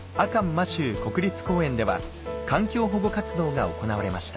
摩周国立公園では環境保護活動が行われました